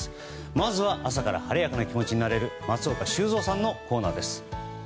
まずは、朝から晴れやかな気持ちになれる松岡修造さんのコーナーです。